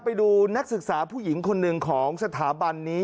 ไปดูนักศึกษาผู้หญิงคนหนึ่งของสถาบันนี้